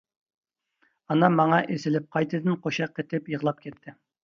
ئانام ماڭا ئېسىلىپ قايتىدىن قوشاق قېتىپ يىغلاپ كەتتى.